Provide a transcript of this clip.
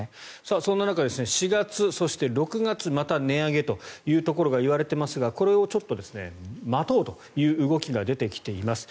そんな中４月、そして６月また値上げというところが言われていますがこれをちょっと待とうという動きが出てきています。